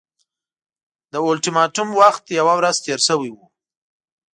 د اولټیماټوم وخت یوه ورځ تېر شوی وو.